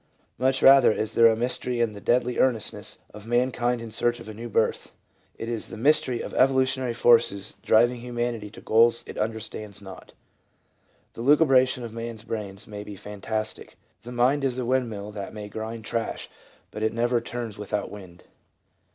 Much rather is there a mystery in the deadly earn estness of mankind in search of a new birth: it is the mystery of evolutionary forces driving humanity to goals it understands not. The lucubration of man's brains may be fantastic — the mind is a wind mill that may grind trash, but it never turns without wind.